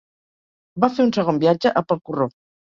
Va fer un segon viatge a pel corró.